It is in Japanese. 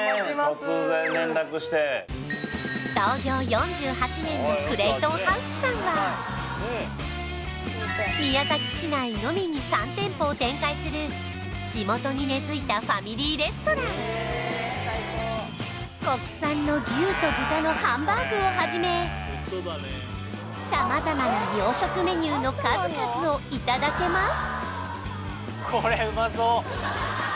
突然連絡して創業４８年のクレイトンハウスさんは宮崎市内のみに３店舗を展開する地元に根づいたファミリーレストラン国産の牛と豚のハンバーグをはじめ様々な洋食メニューの数々をいただけます